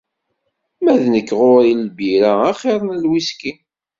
Ma d nekk ɣur-i lbira axir n lwiski.